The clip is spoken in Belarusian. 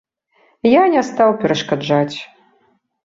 Я не стаў перашкаджаць.